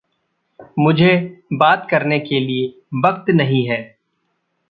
मुझे बात करने के लिये वक़्त नहीं है।